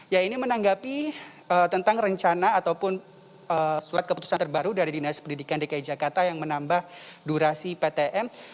ya ini menanggapi tentang rencana ataupun surat keputusan terbaru dari dinas pendidikan dki jakarta yang menambah durasi ptm